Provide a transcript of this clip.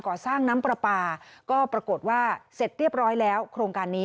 ก่อสร้างน้ำปลาปลาก็ปรากฏว่าเสร็จเรียบร้อยแล้วโครงการนี้